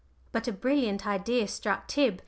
But a brilliant idea struck Tib.